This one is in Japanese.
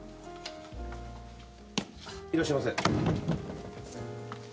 いらっしゃいませ。